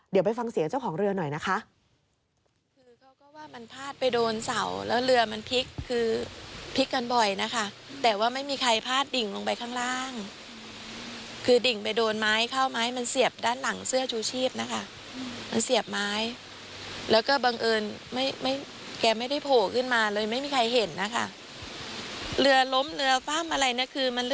เดี๋ยวไปฟังเสียงเจ้าของเรือหน่อยนะคะ